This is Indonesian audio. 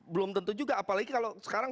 belum tentu juga apalagi kalau sekarang